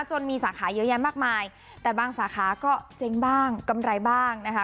จนมีสาขาเยอะแยะมากมายแต่บางสาขาก็เจ๊งบ้างกำไรบ้างนะคะ